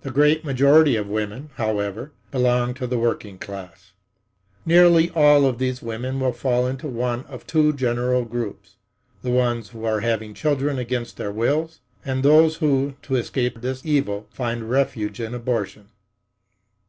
The great majority of women, however, belong to the working class. Nearly all of these women will fall into one of two general groups—the ones who are having children against their wills, and those who, to escape this evil, find refuge in abortion.